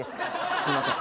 すいません。